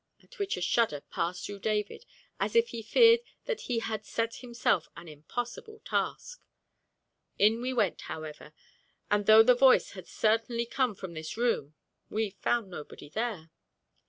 at which a shudder passed through David as if he feared that he had set himself an impossible task. In we went, however, and though the voice had certainly come from this room we found nobody there.